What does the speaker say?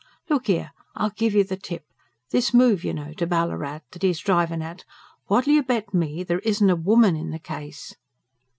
Look here, I'll give you the tip: this move, you know, to Ballarat, that he's drivin' at: what'ull you bet me there isn't a woman in the case?